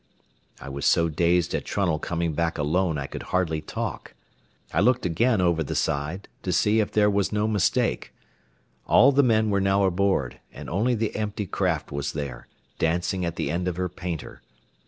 I was so dazed at Trunnell coming back alone I could hardly talk. I looked again over the side to see if there was no mistake. All the men were now aboard, and only the empty craft was there, dancing at the end of her painter.